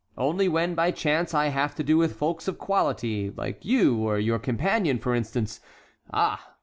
Only when, by chance, I have to do with folks of quality, like you and your companion, for instance, ah!